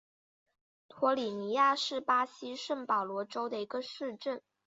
托里尼亚是巴西圣保罗州的一个市镇。